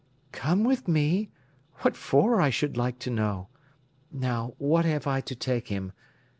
"Come with me? What for, I should like to know? Now, what have I to take him?